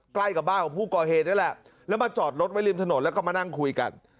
ใกล้กับบ้านของผู้ก่อเหตุนี่แหละแล้วมาจอดรถไว้ริมถนนแล้วก็มานั่งคุยกัน